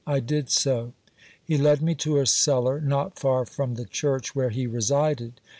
I did so. He led me to a cellar not far from the church where he resided.